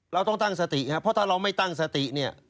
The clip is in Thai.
เราต้องตั้งสติเพราะถ้าเราไม่ตั้งสติ